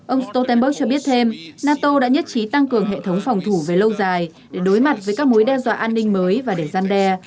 ông stoltenberg cho biết thêm nato đã nhất trí tăng cường hệ thống phòng thủ về lâu dài để đối mặt với các mối đe dọa an ninh mới và để gian đe